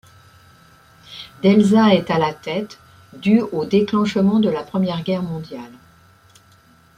D'Elsa est à la tête du au déclenchement de la Première Guerre mondiale.